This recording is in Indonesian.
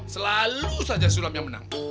selalu saja suram yang menang